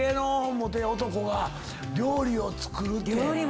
モテ男が料理を作るって。